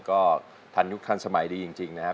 ก็ทันยุคทันสมัยดีจริงนะครับ